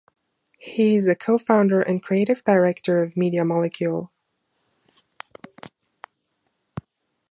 He is a co-founder and creative director of Media Molecule.